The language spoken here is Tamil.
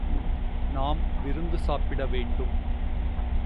நாம் விருந்து சாப்பிடவேண்டும்.